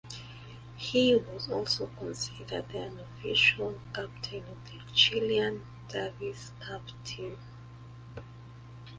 He was also considered the unofficial captain of the Chilean Davis Cup team.